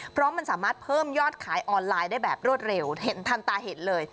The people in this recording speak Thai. เพราะมันสามารถเพิ่มยอดขายออนไลน์ได้แบบรวดเร็วเห็นทันตาเห็นเลย